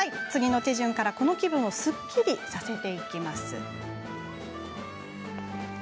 次の手順から、この気分をすっきりさせていきます。